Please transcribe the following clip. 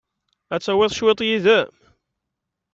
Ad tawiḍ cwiṭ yid-m?